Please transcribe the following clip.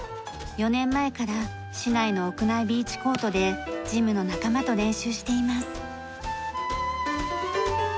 ４年前から市内の屋内ビーチコートでジムの仲間と練習しています。